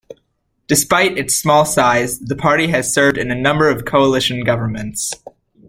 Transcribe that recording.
Despite its small size, the party has served in a number of coalition governments.